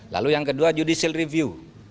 lalu yang kedua judicial review